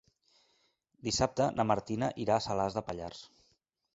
Dissabte na Martina irà a Salàs de Pallars.